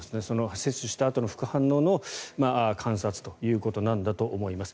接種したあとの副反応の観察ということなんだと思います。